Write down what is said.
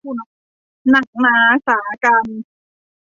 หนักหนาสากรรจ์